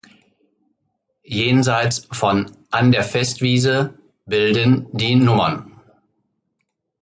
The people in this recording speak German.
Jenseits von An der Festwiese bilden die Nrn.